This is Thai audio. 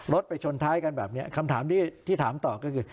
ไปชนท้ายกันแบบนี้คำถามที่ถามต่อก็คือ